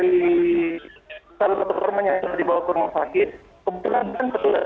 kalau betul betul rumahnya itu dibawa ke rumah sakit kebetulan bukan betul betul gereja